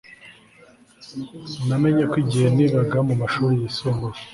Namenye ko igihe nigaga mumashuri yisumbuye